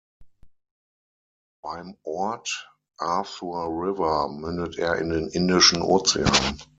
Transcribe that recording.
Beim Ort Arthur River mündet er in den Indischen Ozean.